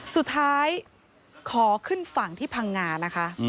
สุดท้ายขอขึ้นฝั่งที่พังงานะคะ